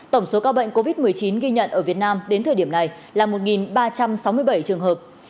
tổng số ca bệnh covid một mươi chín ghi nhận ở việt nam đến thời điểm này là một ba trăm sáu mươi bảy trường hợp